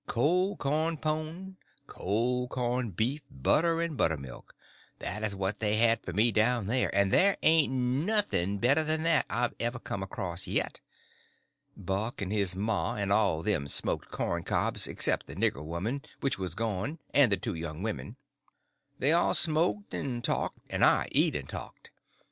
Cold corn pone, cold corn beef, butter and buttermilk—that is what they had for me down there, and there ain't nothing better that ever I've come across yet. Buck and his ma and all of them smoked cob pipes, except the nigger woman, which was gone, and the two young women. They all smoked and talked, and I eat and talked.